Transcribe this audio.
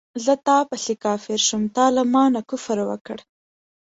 زه تا پسې کافر شوم تا له مانه کفر وکړ